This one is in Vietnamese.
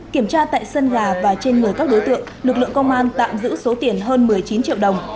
kiểm tra tại sân nhà và trên người các đối tượng lực lượng công an tạm giữ số tiền hơn một mươi chín triệu đồng